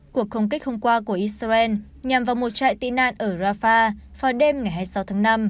cuộc không kích hôm qua của israel nhằm vào một trại tị nạn ở rafah vào đêm ngày hai mươi sáu tháng năm